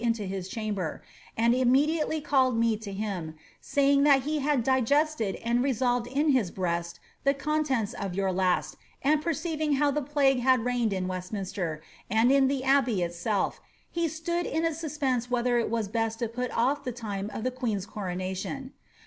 into his chamber, and immediately called me to him, 8a3riiig that he haij digested and resolved in his breast the contents of your last^ and per ceiving how the plague had reigned in Westminster, and in the Abbe) itself, he stood in a suspense whether it were best to pnt off the time oi the queen's coronation.